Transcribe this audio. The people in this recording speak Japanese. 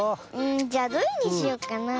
じゃあどれにしよっかなあ。